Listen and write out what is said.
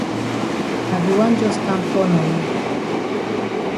I be wan jus kam call na you.